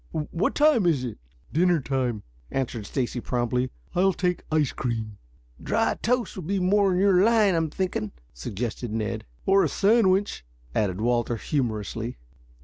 What time is it?" "Dinner time," answered Stacy promptly. "I'll take ice cream." "Dry toast will be more in your line, I'm thinking," suggested Ned. "Or a sandwich," added Walter humorously.